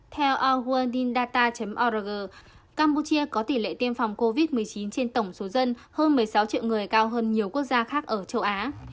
theo auandin data org campuchia có tỷ lệ tiêm phòng covid một mươi chín trên tổng số dân hơn một mươi sáu triệu người cao hơn nhiều quốc gia khác ở châu á